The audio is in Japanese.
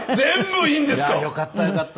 よかったよかった。